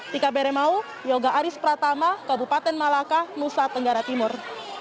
tika beremau yoga aris pratama kabupaten malaka nusa tenggara timur